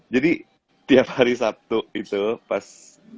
jadi tiap hari sabtu itu pas